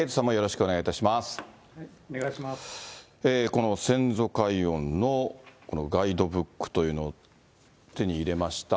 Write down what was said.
この先祖解怨のこのガイドブックというのを手に入れました。